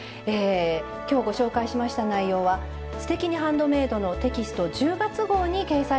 今日ご紹介しました内容は「すてきにハンドメイド」のテキスト１０月号に掲載されています。